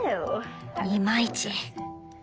いまいち。